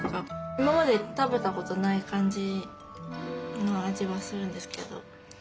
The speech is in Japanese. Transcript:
今まで食べたことない感じの味はするんですけど。